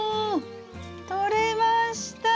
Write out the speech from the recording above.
とれました！